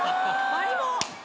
マリモ！